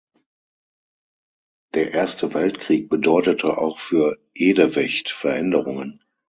Der Erste Weltkrieg bedeutete auch für Edewecht Veränderungen.